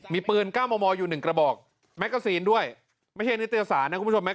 มีปืนก้าวมอมออยู่หนึ่งกระบอกด้วยไม่ใช่นิทยาศาสตร์นะคุณผู้ชม